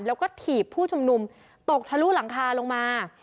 แล้วก็ถีบผู้ชุมนุมตกทะลุหลังคาลงมา